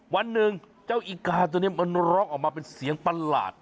วันหนึ่งเจ้าอีกาตัวนี้มันร้องออกมาเป็นเสียงประหลาด